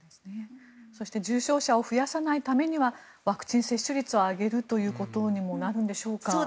そして重症者を増やさないためにはワクチン接種率を上げるということにもなるんでしょうか。